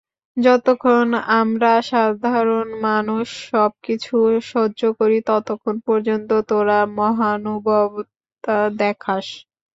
যতক্ষণ আমরা সাধারণ মানুষ সবকিছু সহ্য করি, ততক্ষণ পর্যন্ত তোরা মহানুভবতা দেখাস।